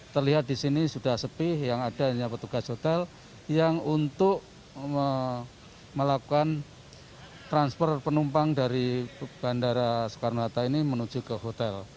terlihat di sini sudah sepi yang ada hanya petugas hotel yang untuk melakukan transfer penumpang dari bandara soekarno hatta ini menuju ke hotel